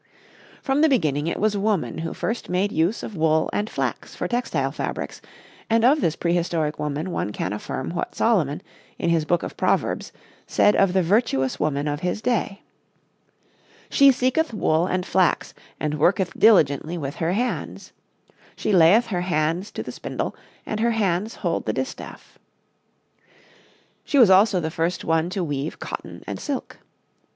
From the beginning it was woman who first made use of wool and flax for textile fabrics; and of this prehistoric woman one can affirm what Solomon, in his Book of Proverbs, said of the virtuous woman of his day: "She seeketh wool and flax and worketh diligently with her hands; She layeth her hands to the spindle and her hands hold the distaff." She was also the first one to weave cotton and silk.